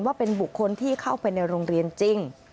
ว่าเป็นบุคคลที่เข้าไปในโรงเรียนจริง